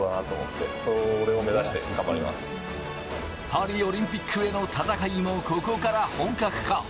パリオリンピックへの戦いも、ここから本格化。